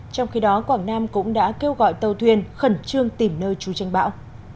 trong khi đó quảng nam cũng đã kêu gọi tàu thuyền khẩn trương tìm nơi trú tranh bão